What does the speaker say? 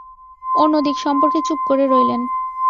অন্য দিক সম্পর্কে চুপ করে রইলেন।